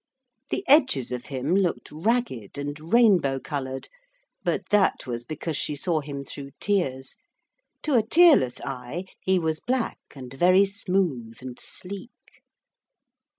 The edges of him looked ragged and rainbow coloured, but that was because she saw him through tears. To a tearless eye he was black and very smooth and sleek.